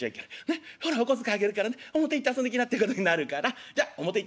ねっほらお小遣いあげるからね表行って遊んできな』ってことになるからじゃ表行って遊んでくるね」。